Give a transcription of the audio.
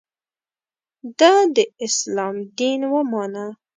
د ه داسلام دین ومانه.